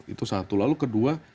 itu satu lalu kedua